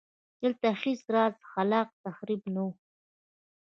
دلته هېڅ راز خلاق تخریب نه و